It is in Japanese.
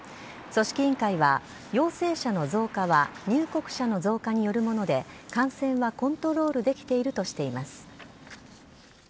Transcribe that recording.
組織委員会は、陽性者の増加は入国者の増加によるもので感染はコントロールできているとしています。